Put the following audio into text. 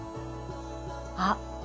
あっ！